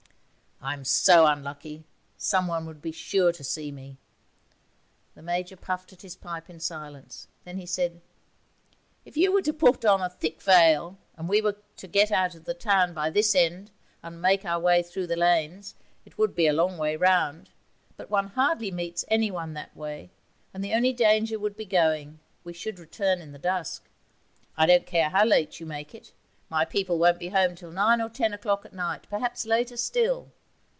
'I'm so unlucky; someone would be sure to see me.' The Major puffed at his pipe in silence. Then he said, 'If you were to put on a thick veil, and we were to get out of the town by this end and make our way through the lanes it would be a long way round; but one hardly meets anyone that way, and the only danger would be going. We should return in the dusk. I don't care how late you make it; my people won't be home till nine or ten o'clock at night, perhaps later still.